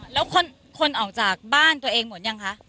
แล้วคนออกจากบ้านตัวเองหมดยังคะ